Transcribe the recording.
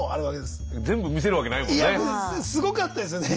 すごかったですよね